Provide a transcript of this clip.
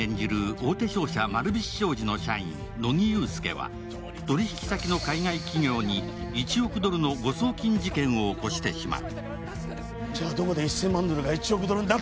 大手商社丸菱商事の社員乃木憂助は取引先の海外企業に、１億ドルの誤送金事件を起こしてしまう。